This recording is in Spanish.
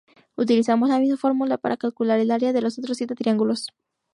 Utilizamos la misma fórmula para calcular el área de los otros siete triángulos.